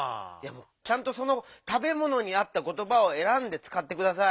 ちゃんとそのたべものにあったことばをえらんでつかってください。